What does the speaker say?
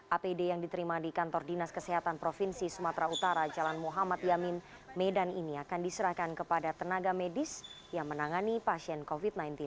apd yang diterima di kantor dinas kesehatan provinsi sumatera utara jalan muhammad yamin medan ini akan diserahkan kepada tenaga medis yang menangani pasien covid sembilan belas